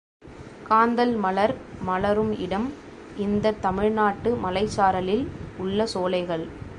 காந்தள் மலர் மலரும் இடம் இந்தத் தமிழ்நாட்டு மலைச்சாரலில் உள்ள சோலைகள்.